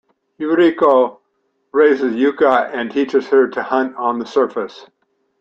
Yuriko raises Yuka and teaches her to hunt on the surface.